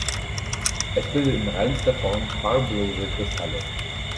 Es bildet in reinster Form farblose Kristalle.